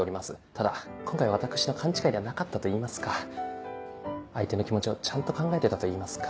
ただ今回私の勘違いではなかったといいますか相手の気持ちもちゃんと考えてたといいますか。